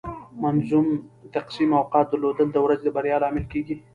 منظم تقسیم اوقات درلودل د ورځې د بریا لامل کیږي.